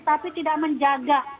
tapi tidak menjaga